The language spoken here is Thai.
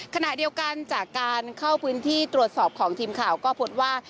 ขณะเดียวกันจากการเข้าพื้นที่ตรวจสอบของทีมข่าวก็พบว่า